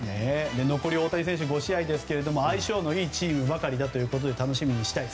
残り大谷選手５試合ですが相性のいいチームばかりだということで楽しみにしたい。